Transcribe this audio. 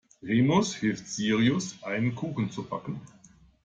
Remus hilft Sirius, einen Kuchen zu backen.